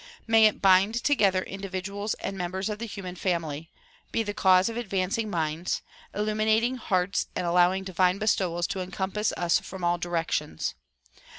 May it bind together individuals and members of the human family, be the cause of advancing minds, illuminating hearts and allowing divine bestowals to encompass us from all directions.